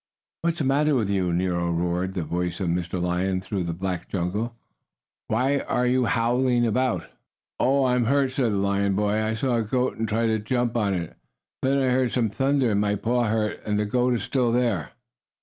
"What's the matter with you, Nero?" roared the voice of Mr. Lion through the black jungle. "What are you howling about?" "Oh, I'm hurt!" said the lion boy. "I saw a goat and tried to jump on it. Then I heard some little thunder, and my paw hurt and the goat is still there."